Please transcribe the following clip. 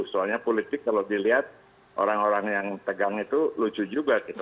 soalnya politik kalau dilihat orang orang yang tegang itu lucu juga gitu